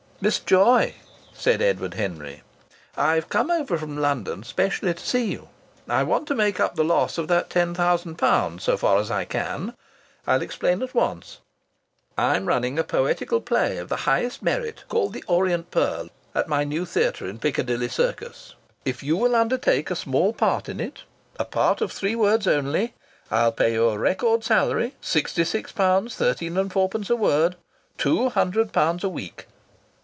"Miss Joy," said Edward Henry, "I've come over from London specially to see you. I want to make up the loss of that ten thousand pounds as far as I can. I'll explain at once. I'm running a poetical play of the highest merit, called 'The Orient Pearl,' at my new theatre in Piccadilly Circus. If you will undertake a small part in it a part of three words only I'll pay you a record salary, sixty six pounds thirteen and four pence a word two hundred pounds a week!"